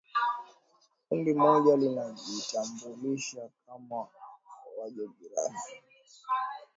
Kundi moja linajitambulisha kama Wageorgia asilia ambao walisilimu